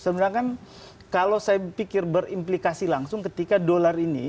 sebenarnya kan kalau saya pikir berimplikasi langsung ketika dolar ini